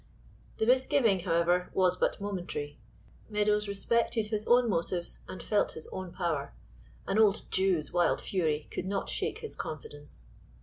The misgiving, however, was but momentary; Meadows respected his own motives and felt his own power; an old Jew's wild fury could not shake his confidence.